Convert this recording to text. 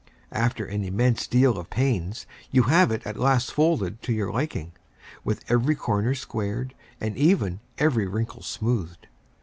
After an immense deal of pains, you have it at last folded to your liking, with every corner squared and even, every wrinkle smoothed.